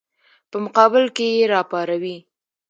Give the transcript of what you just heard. په مقابل کې یې راپاروي.